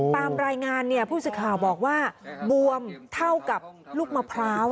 ตามรายงานผู้สื่อข่าวบอกว่าบวมเท่ากับลูกมะพร้าว